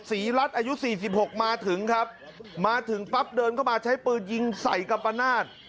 ศรีรัตน์อายุสี่สิบหกมาถึงครับมาถึงปั๊บเดินเข้ามาใช้ปืนยิงใส่กับประนาจ